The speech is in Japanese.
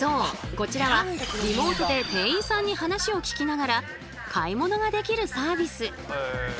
こちらはリモートで店員さんに話を聞きながら買い物ができるサービス。